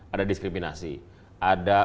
ada diskriminasi ada